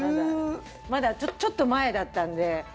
ちょっと前だったので。